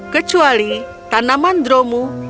kecuali tanaman dromu